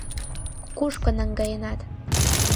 — Кушко наҥгает?